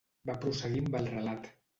Va prosseguir amb el relat.